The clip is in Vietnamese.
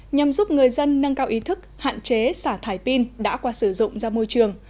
nhằm giúp người dân nâng cao ý thức hạn chế xả thải pin đã qua sử dụng ra môi trường